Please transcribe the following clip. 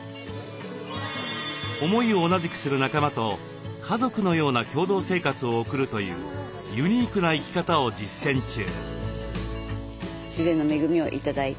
思いを同じくする仲間と家族のような共同生活を送るというユニークな生き方を実践中。